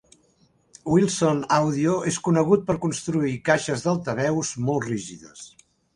Wilson Audio és conegut per construir caixes d'altaveus molt rígides.